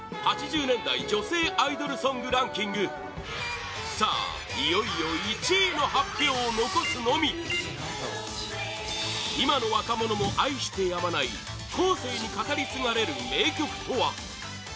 ８０年代女性アイドルソングランキングさあ、いよいよ１位の発表を残すのみ今の若者も愛してやまない後世に語り継がれる名曲とは？